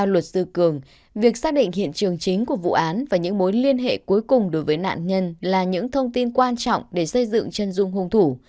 luật sư cường việc xác định hiện trường chính của vụ án và những mối liên hệ cuối cùng đối với nạn nhân là những thông tin quan trọng để xây dựng chân dung hung thủ